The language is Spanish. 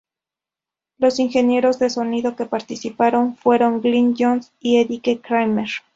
Los ingenieros de sonido que participaron fueron Glyn Johns y Eddie Kramer.